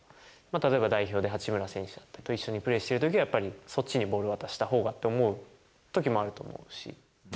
例えば代表で、八村選手と一緒にプレーしてるときは、やっぱりそっちにボール渡したほうがって思うときもあると思うし。